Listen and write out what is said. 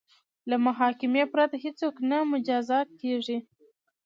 له محاکمې پرته هیڅوک نه مجازات کیږي.